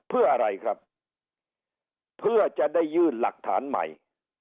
เพื่ออะไรครับเพื่อจะได้ยื่นหลักฐานใหม่